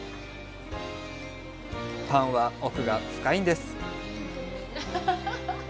パンは奥が深いんです。